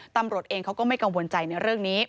ตำรวจเองเขาก็ไม่กังวลใจในเรื่องนี้